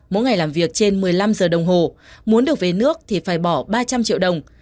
mỗi ngày làm việc trên một mươi năm giờ đồng hồ muốn được về nước thì phải bỏ ba trăm linh triệu đồng